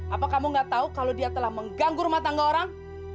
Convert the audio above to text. apa kamu gak tahu kalau dia telah mengganggu rumah tangga orang